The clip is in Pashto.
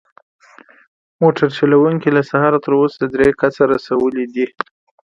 موټر چلونکی له سهاره تر اوسه درې کسه رسولي دي.